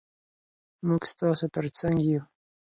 موږ ستاسو تر څنګ یو.